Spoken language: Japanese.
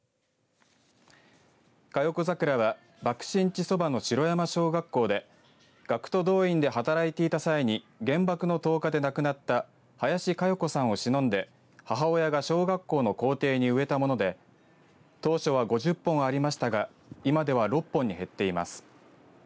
嘉代子桜は爆心地そばの白山小学校で学徒動員で働いていた際に原爆の投下で亡くなった林嘉代子さんをしのんで母親が小学校の校庭に植えたもので当初は５０本ありましたが今では６本に減っています。